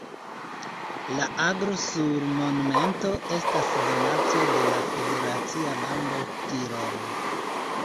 La aglo sur monumento estas donaco de la federacia lando Tirolo.